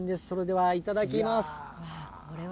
それではいただきます。